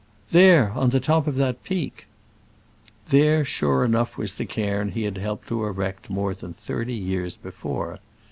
"There, on the top of that peak." There, sure enough, was the cairn he had helped to erect more than thirty years before.